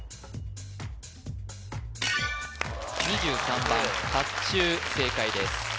２３番かっちゅう正解です